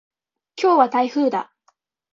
今日は台風だ。